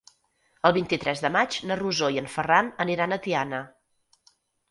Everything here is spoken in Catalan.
El vint-i-tres de maig na Rosó i en Ferran aniran a Tiana.